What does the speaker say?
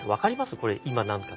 これ今何か。